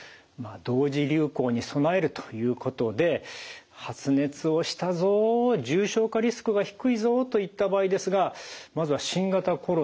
同時流行に備えるということで発熱をしたぞ重症化リスクが低いぞといった場合ですがまずは新型コロナの自己検査を行うとこういうことですね。